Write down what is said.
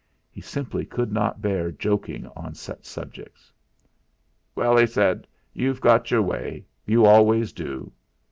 He simply could not bear joking on such subjects. "Well," he said, "you've got your way; you always do.